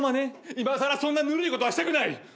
いまさらそんなぬるいことはしたくない。